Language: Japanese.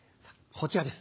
こちらです。